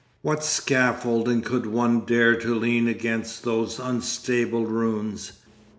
What scaffolding could one dare to let lean against those unstable ruins.